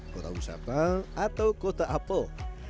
kota usapal atau kota apel